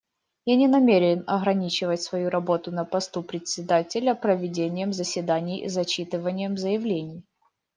Я не намерен ограничивать свою работу на посту Председателя проведением заседаний и зачитыванием заявлений.